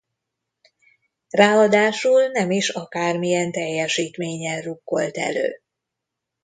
Ráadásul nem is akármilyen teljesítménnyel rukkolt elő.